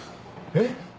えっ？